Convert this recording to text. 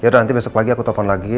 yaudah nanti besok pagi aku telfon lagi